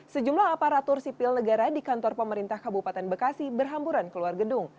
sejumlah aparatur sipil negara di kantor pemerintah kabupaten bekasi berhamburan keluar gedung